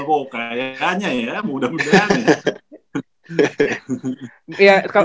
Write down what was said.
oh kayaknya ya mudah mudahan ya